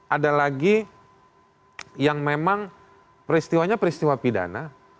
ada lagi yang memang peristiwanya peristiwa pidana